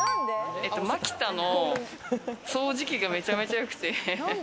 マキタの掃除機がめちゃめちゃ良くて。